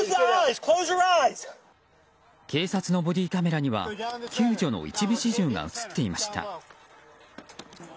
警察のボディーカメラには救助の一部始終が映っていました。